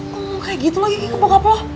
kayak gitu lagi ke bokap lo